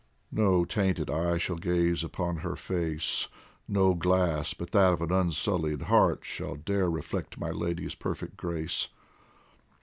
No tainted eye shall gaze upon her face, No glass but that of an unsullied heart Shall dare reflect my Lady's perfect grace.